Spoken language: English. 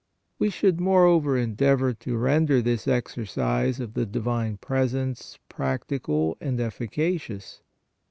We should, moreover, endeavor to render this exercise of the divine presence practical and effica cious.